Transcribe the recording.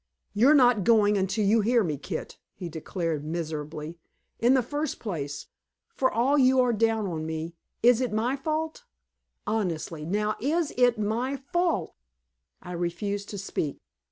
"You're not going until you hear me, Kit," he declared miserably. "In the first place, for all you are down on me, is it my fault? Honestly, now IS IT MY FAULT?" I refused to speak.